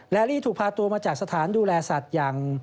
และลี่ถูกพาตัวมาจากสถานดูแลสัตว์อย่าง